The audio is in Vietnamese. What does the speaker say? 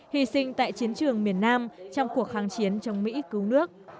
hì sinh tại chiến trường miền nam trong cuộc kháng chiến trong mỹ cứu nước